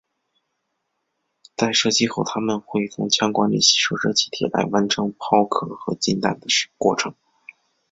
在射击后它们会从枪管里吸收热气体来完成抛壳和进弹的过程。